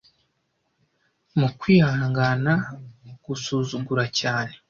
Mu kwihangana, gusuzugura cyane;